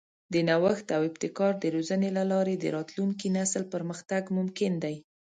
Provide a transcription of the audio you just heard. د نوښت او ابتکار د روزنې له لارې د راتلونکي نسل پرمختګ ممکن دی.